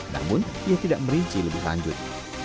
namun ia tidak merinci lebih lanjut